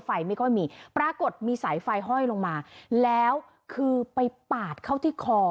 ไม่ค่อยมีปรากฏมีสายไฟห้อยลงมาแล้วคือไปปาดเข้าที่คอ